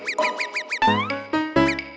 gigi permisi dulu ya mas